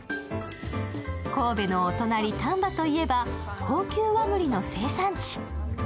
神戸のお隣・丹波といえば高級和ぐりの生産地。